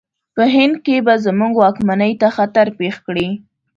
په هند کې به زموږ واکمنۍ ته خطر پېښ کړي.